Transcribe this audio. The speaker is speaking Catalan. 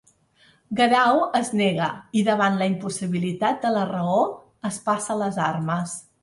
Guerau es nega, i davant la impossibilitat de la raó, es passa a les armes.